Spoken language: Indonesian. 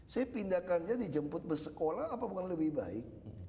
saya pindahkan dia dijemput ke sekolah apa bukan lebih baik